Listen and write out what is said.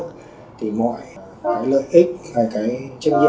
cục chơi của asean là nồng thuận của một mươi nước chỉ cần một nước cũng chưa ký kết